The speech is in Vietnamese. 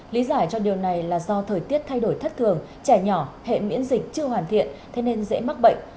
lý giải cho điều này là do thời tiết thay đổi thất thường trẻ nhỏ hệ miễn dịch chưa hoàn thiện thế nên dễ mắc bệnh